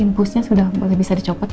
impusnya sudah boleh bisa dicopot ya